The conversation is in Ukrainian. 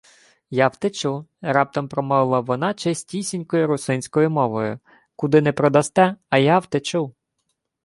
— Я втечу, — раптом промовила вона чистісінькою русинською мовою. — Куди не продасте, а я втечу.